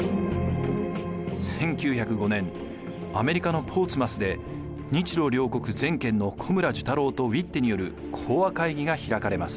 １９０５年アメリカのポーツマスで日露両国全権の小村寿太郎とウイッテによる講和会議が開かれます。